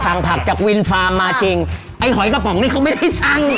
ผักจากวินฟาร์มมาจริงไอ้หอยกระป๋องนี่เขาไม่ได้สั่ง